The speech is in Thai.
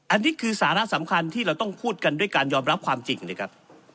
อันนี้คือสาระสำคัญที่เราต้องพูดกันด้วยการยอมรับความจริงเลยครับ